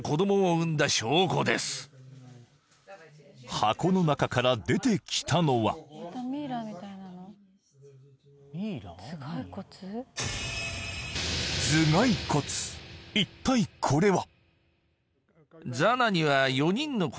箱の中から出てきたのは一体これは？